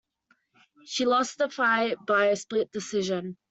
She lost the fight by Split Decision.